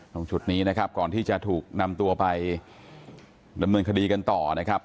ตรงจุดนี้นะครับก่อนที่จะถูกนำตัวไปดำเนินคดีกันต่อนะครับ